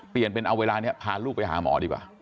เปลี่ยนเป็นเอาเวลานี้พาลูกไปหาหมอดีกว่า